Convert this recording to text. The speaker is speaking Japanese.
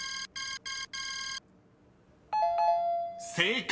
［正解。